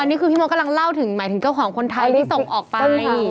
อันนี้คือพี่มดกำลังเล่าถึงหมายถึงเจ้าของคนไทยที่ส่งออกไป